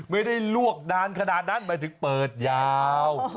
ลวกนานขนาดนั้นหมายถึงเปิดยาว